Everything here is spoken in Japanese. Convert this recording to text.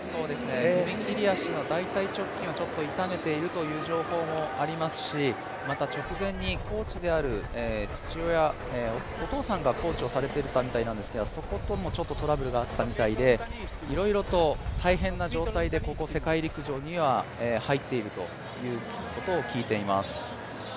踏み切り足の大たい直筋を痛めているという情報もありますしまた直前にコーチである父親、お父さんがコーチをされていたみたいなんですが、そこともトラブルがあったみたいで、いろいろと大変な状態でここ、世界陸上には入っているということを聞いています。